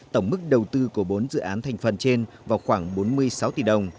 tổng mức đầu tư của bốn dự án thành phần trên vào khoảng bốn mươi sáu tỷ đồng